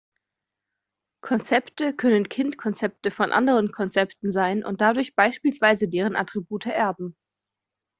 Konzepte können Kind-Konzepte von anderen Konzepten sein und dadurch beispielsweise deren Attribute erben.